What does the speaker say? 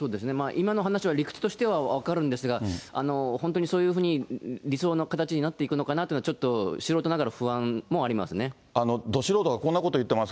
今の話は理屈としては分かるんですが、本当にそういうふうに理想の形になっていくのかなというのは、ちょっと素人ながら、不安もど素人がこんなこと言ってま